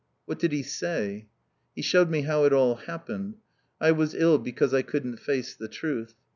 "What did he say?" "He showed me how it all happened. I was ill because I couldn't face the truth.